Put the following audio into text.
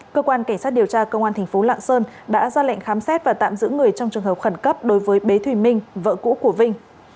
cơ quan cảnh sát điều tra công an tp lạng sơn đã ra lệnh khám xét và tạm giữ người trong trường hợp khẩn cấp đối với bế thủy minh vợ cũ của vinh